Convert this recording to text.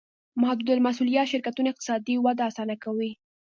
محدودالمسوولیت شرکتونه اقتصادي وده اسانه کوي.